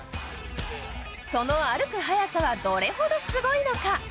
その歩く速さはどれほどすごいのか。